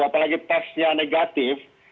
apalagi testnya negatif